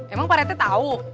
emang pak rete tahu